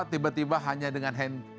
tiba tiba hanya dengan handphone